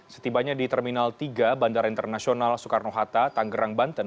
setibanya di terminal tiga bandara internasional soekarno hatta tanggerang banten